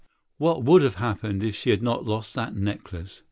What would have happened if she had not lost that necklace?